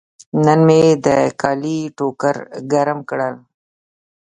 نن مې د کالي ټوکر ګرم کړل.